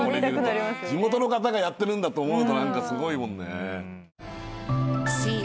地元の方がやってるんだと思うとすごいもんね。